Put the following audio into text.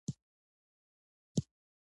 هغه په هېڅ نه پوهېږي.